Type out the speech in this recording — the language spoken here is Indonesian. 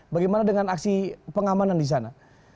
bagaimana dengan aksi pengamanan di sana